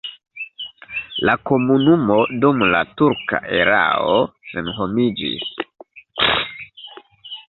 La komunumo dum la turka erao senhomiĝis.